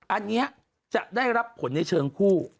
อันนี้จะได้รับผลในเชิงคู่